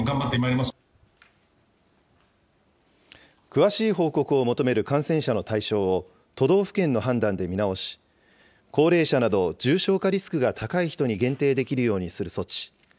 詳しい報告を求める感染者の対象を都道府県の判断で見直し、高齢者など重症化リスクの高い人に限定できるようにする措置。